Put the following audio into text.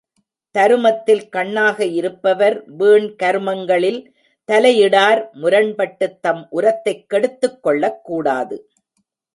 தருமத்தில் கண்ணாக இருப்பவர் வீண் கருமங்களில் தலை இடார் முரண்பட்டுத் தம் உரத்தைக் கெடுத்துக் கொள்ளக் கூடாது.